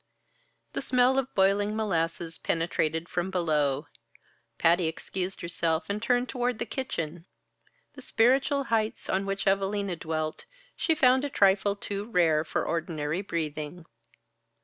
The smell of boiling molasses penetrated from below; Patty excused herself and turned toward the kitchen. The spiritual heights on which Evalina dwelt, she found a trifle too rare for ordinary breathing.